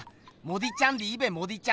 モディちゃん